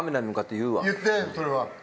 言ってそれは。